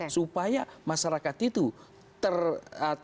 supaya masyarakat itu terhubungi